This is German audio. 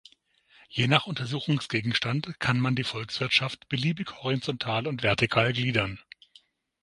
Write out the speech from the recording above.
Je nach Untersuchungsgegenstand kann man die Volkswirtschaft beliebig horizontal und vertikal gliedern.